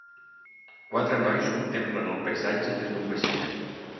Quatre nois contemplen el paisatge des d'un vaixell